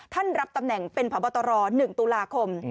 รับตำแหน่งเป็นพบตร๑ตุลาคม